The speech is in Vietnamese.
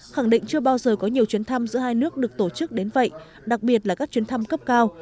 khẳng định chưa bao giờ có nhiều chuyến thăm giữa hai nước được tổ chức đến vậy đặc biệt là các chuyến thăm cấp cao